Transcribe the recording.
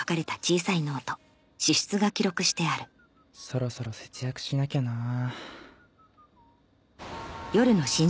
そろそろ節約しなきゃなあ。